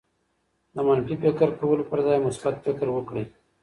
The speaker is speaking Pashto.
د منفي فکر کولو پر ځای مثبت فکر وکړئ.